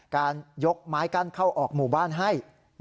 การยกไม้กั้นเข้าออกหมู่บ้านให้